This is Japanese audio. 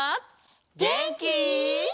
げんき？